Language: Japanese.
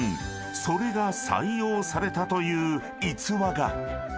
［それが採用されたという逸話が］